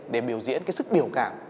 để biểu diễn cái sức biểu cảm